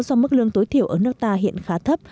do mức lương tối thiểu ở nước ta hiện khá thấp